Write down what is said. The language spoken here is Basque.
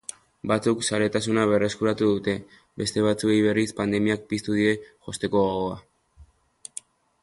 Batzuk zaletasuna berreskuratu dute, beste batzuei berriz pandemiak piztu die josteko gogoa.